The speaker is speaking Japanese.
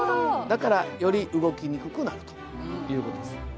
だからより動きにくくなるという事です。